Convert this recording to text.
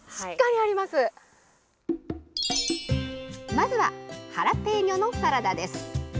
まずはハラペーニョのサラダです。